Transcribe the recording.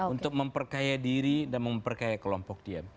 untuk memperkaya diri dan memperkaya kelompok dia